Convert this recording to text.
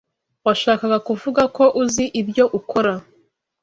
Washakaga kuvuga ko uzi ibyo ukora.